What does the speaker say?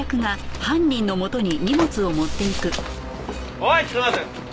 おいちょっと待てよ。